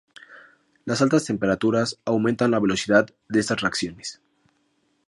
Las altas temperaturas aumentan la velocidad de estas reacciones.